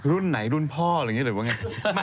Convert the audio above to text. รุ่นไหนรุ่นพ่อหรืออะไรหรือไง